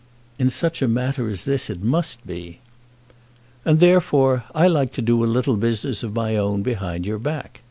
"In such a matter as this it must be." "And, therefore, I like to do a little business of my own behind your back.